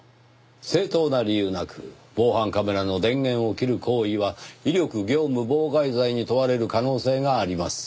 正当な理由なく防犯カメラの電源を切る行為は威力業務妨害罪に問われる可能性があります。